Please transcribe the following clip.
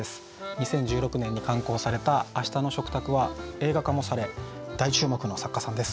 ２０１６年に刊行された「明日の食卓」は映画化もされ大注目の作家さんです。